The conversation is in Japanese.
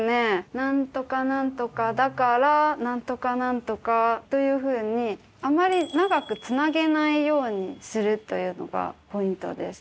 何とか何とかだから何とか何とかというふうにあまり長くつなげないようにするというのがポイントです。